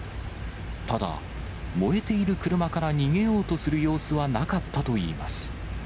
ただ、燃えている車から逃げようとする様子はなかったといいます。